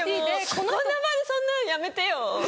この場でそんなやめてよ。